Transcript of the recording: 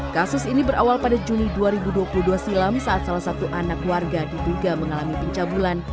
kasus ini berawal pada juni dua ribu dua puluh dua silam saat salah satu anak warga diduga mengalami pencabulan